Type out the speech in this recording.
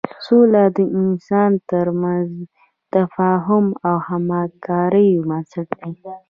سوله د انسانانو تر منځ د تفاهم او همکاریو بنسټ دی.